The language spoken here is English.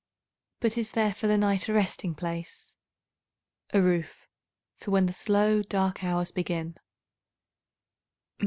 But is there for the night a resting place? A roof for when the slow dark hours begin.